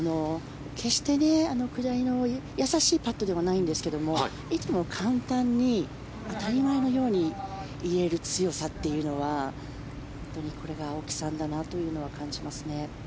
決して、易しいパットではないんですけどいつも簡単に当たり前のように入れる強さというのはこれが青木さんだなというのは感じますね。